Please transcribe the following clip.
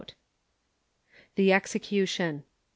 THE EXECUTION.